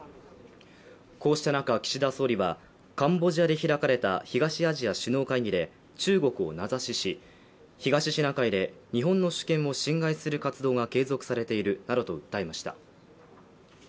こうした中、岸田総理はカンボジアで開かれた東アジア首脳会議で、中国を名指しし東シナ海で日本の主権を侵害する活動が継続されているなどと訴えました。